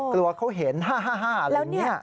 กลัวเขาเห็น๕๕อะไรอย่างนี้